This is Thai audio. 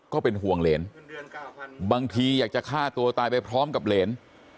ก็เป็นห่วงเหรนบางทีอยากจะฆ่าตัวตายไปพร้อมกับเหรน